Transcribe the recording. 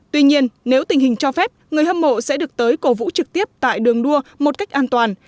tuy nhiên nếu tình hình cho phép người hâm mộ sẽ được tới cổ vũ trực tiếp tại đường đua một cách an toàn